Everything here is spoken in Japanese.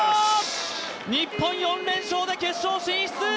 日本、４連勝で決勝進出！